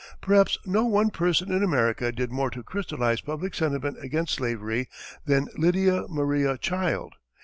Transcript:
Perhaps no one person in America did more to crystalize public sentiment against slavery than Lydia Maria Child.